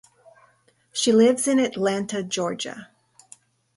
She lives in Atlanta, Georgia.